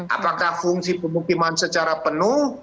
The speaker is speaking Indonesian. apakah fungsi pemukiman secara penuh